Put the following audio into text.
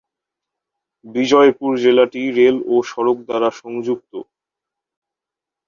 বিজয়পুর জেলাটি রেল ও সড়ক দ্বারা সংযুক্ত।